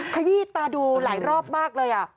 ขยี้ตาดูหลายรอบมากเลย